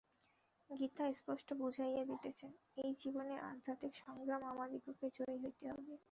গীতা স্পষ্ট বুঝাইয়া দিতেছেন, এই জীবনেই আধ্যাত্মিক সংগ্রামে আমাদিগকে জয়ী হইতে হইবে।